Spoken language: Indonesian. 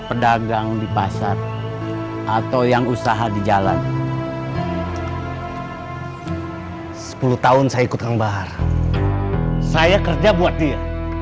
pedagang di pasar atau yang usaha di jalan sepuluh tahun saya ikutkan bahar saya kerja buat dia